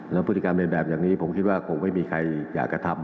แล้วพฤติกรรมเป็นแบบอย่างนี้ผมคิดว่าคงไม่มีใครอยากกระทำ